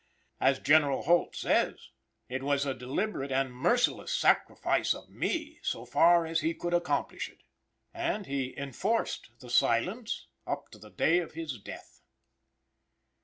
As General Holt says: "It was a deliberate and merciless sacrifice of me, so far as he could accomplish it." And he "enforced" the "silence" up to the day of his death.